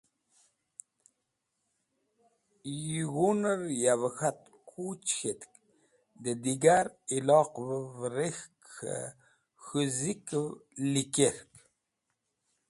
Yig̃hũnẽr yavẽ k̃hat kuch k̃hetk dẽ digar iloqavẽv rek̃hk k̃hẽ k̃hũ zikẽv likerk.